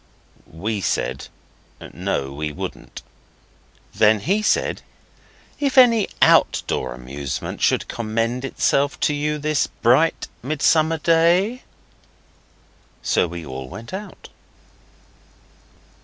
We said, 'No, we wouldn't.' Then he said, 'If any outdoor amusement should commend itself to you this bright mid summer day.' So we all went out.